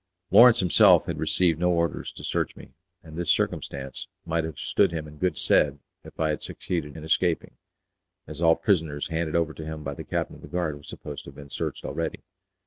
Lawrence himself had received no orders to search me, and this circumstance might have stood him in good stead if I had succeeded in escaping, as all prisoners handed over to him by the captain of the guard were supposed to have been searched already.